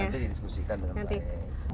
nanti didiskusikan dengan pak erick